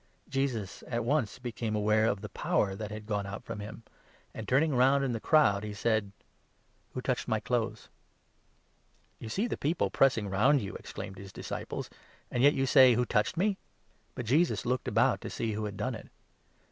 Jesus at once became 30 aware of the power that had gone out from him, and, turning round in the crowd, he said :" Who touched my clothes ?" "You see the people pressing round you," exclaimed his 31 disciples, " and yet you say ' Who touched me ?'" But Jesus looked about to see who had done it.